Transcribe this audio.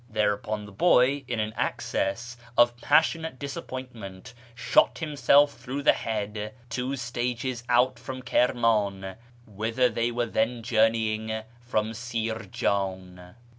Thereupon the boy, in an access of passionate disappointment, shot himself through the head two stages out from Kirman, whither they were then journeying from Sirjan.